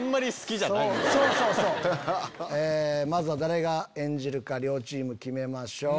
まずは誰が演じるか両チーム決めましょう。